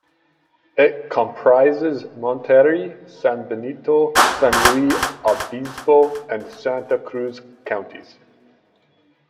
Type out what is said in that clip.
It comprises Monterey, San Benito, San Luis Obispo, and Santa Cruz counties.